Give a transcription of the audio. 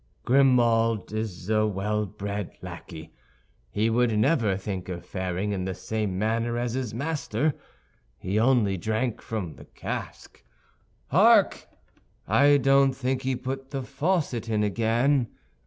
"Grimaud is a well bred lackey. He would never think of faring in the same manner as his master; he only drank from the cask. Hark! I don't think he put the faucet in again.